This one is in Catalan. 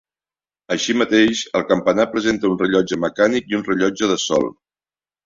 Així mateix, el campanar presenta un rellotge mecànic i un rellotge de sol.